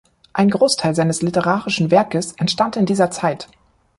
Ein Großteil seines literarischen Werkes entstand in dieser Zeit.